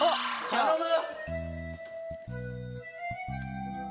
頼む！